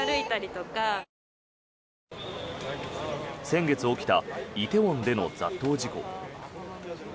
先月起きた梨泰院での雑踏事故。